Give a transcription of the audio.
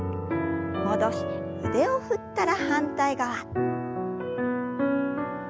戻して腕を振ったら反対側。